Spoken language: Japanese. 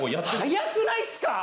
早くないっすか！？